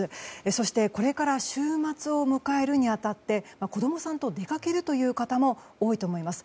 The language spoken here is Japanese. そして、これから週末を迎えるに当たって子供さんと出かけるという方も多いと思います。